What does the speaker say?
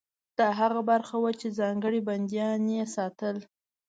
دا هغه برخه وه چې ځانګړي بندیان یې ساتل.